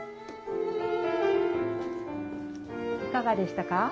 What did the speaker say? いかがでしたか？